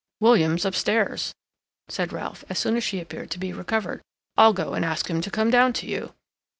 "William's upstairs," said Ralph, as soon as she appeared to be recovered. "I'll go and ask him to come down to you."